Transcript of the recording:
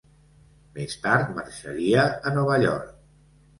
Més tard marxaria a Nova York.